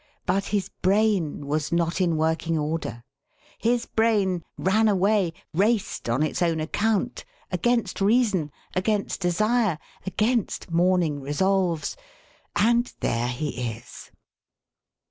But his brain was not in working order. His brain ran away 'raced' on its own account, against reason, against desire, against morning resolves and there he is!